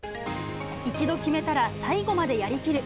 一度決めたら最後までやりきる。